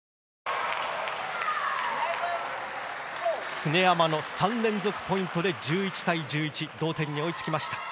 常山の３連続ポイントで１１対１１と同点に追いつきました。